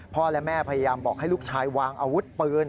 และแม่พยายามบอกให้ลูกชายวางอาวุธปืน